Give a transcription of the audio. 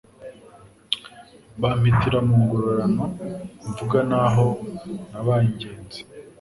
Bampitira mu ngororano, mvuga n'aho nabaye ingenzi